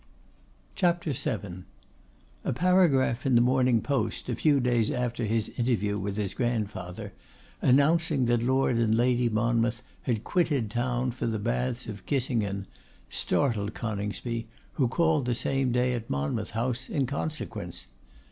A paragraph in the Morning Post, a few days after his interview with his grandfather, announcing that Lord and Lady Monmouth had quitted town for the baths of Kissengen, startled Coningsby, who called the same day at Monmouth House in consequence.